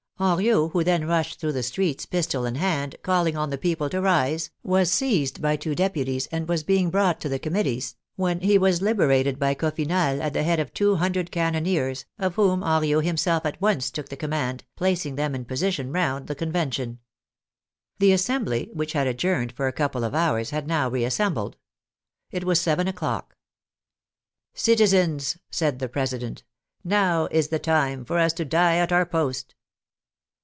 Henriot, who then rushed through the streets, pistol in 92 IHE FRENCH REVOLUTION hand, calling on the people to rise, was seized by two deputies, and was being brought to the Committees, when he was liberated by Coffinhal, at the head of two hundred cannoneers, of whom Henriot himself at once took the command, placing them in position round the Convention. The Assembly, which had adjourned for a couple of hours, had now reassembled. It was seven o'clock. " Citizens," said the President, " now is the time for us to die at our post."